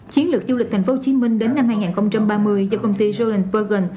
chiến lược du lịch thành phố hồ chí minh đến năm hai nghìn ba mươi do công ty roland bergen